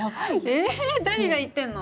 え誰が言ってんの？